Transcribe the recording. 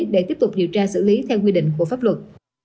để tiếp tục điều tra xử lý theo quy định của pháp luật